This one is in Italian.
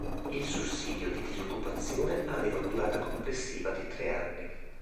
Il sussidio di disoccupazione aveva una durata complessiva di tre anni.